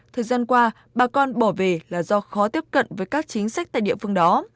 thời gian qua bà con bỏ về là do khó tiếp cận với các chính sách tại địa phương đó